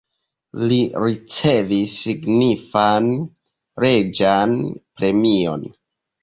Li ricevis signifan reĝan premion.